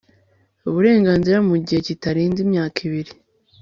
uburenganzira mu gihe kitarenze imyaka ibiri